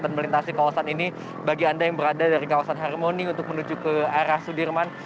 melintasi kawasan ini bagi anda yang berada dari kawasan harmoni untuk menuju ke arah sudirman